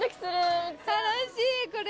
楽しいこれ。